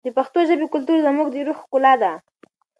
د پښتو ژبې کلتور زموږ د روح ښکلا ده.